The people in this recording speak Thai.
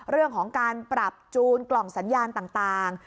เรื่องของการปรับจูนกล่องสัญญาณต่าง